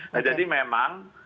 nah jadi memang